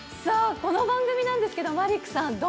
さあこの番組なんですけどマリックさん